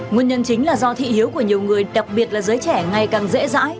nguyên nhân chính là do thị hiếu của nhiều người đặc biệt là giới trẻ ngày càng dễ dãi